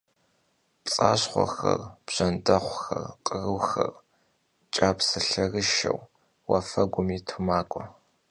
Pts'aşxhuexer, bjjendexhuxer, khruxer ç'apselherışşeu vuafegum yitu mak'ue.